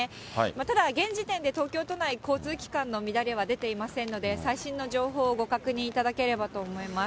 ただ、現時点で、東京都内、交通機関の乱れは出ていませんので、最新の情報をご確認いただければと思います。